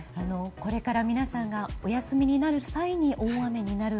これから皆さんがお休みになる際に大雨になる。